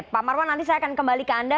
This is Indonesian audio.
pak marwan nanti saya akan kembali ke anda